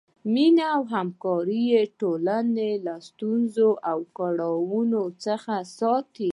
مینه او همکاري ټولنه له ستونزو او کړاوونو څخه ساتي.